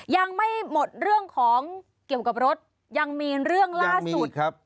ยังไม่หมดเรื่องของเกี่ยวกับรถยังมีเรื่องล่าสุดครับ